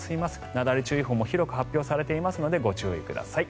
なだれ注意報も広く発表されていますのでご注意ください。